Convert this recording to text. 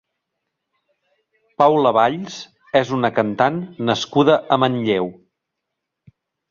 Paula Valls és una cantant nascuda a Manlleu.